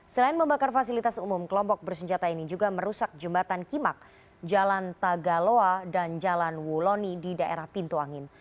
selain membakar fasilitas umum kelompok bersenjata ini juga merusak jembatan kimak jalan tagaloa dan jalan wuloni di daerah pintu angin